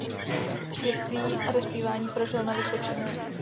Dětství a dospívání prožil na Vysočině.